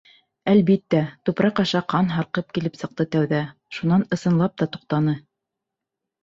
Әлбиттә, тупраҡ аша ҡан һарҡып килеп сыҡты тәүҙә, шунан ысынлап та туҡтаны.